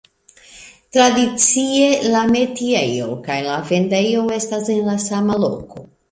Tradicie, la metiejo kaj la vendejo estas en sama loko.